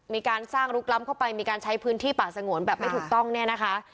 มีการสร้างลุกล้ำเข้าไปมีการใช้พื้นที่ป่าสงวนแบบไม่ถูกต้องเนี่ยนะคะ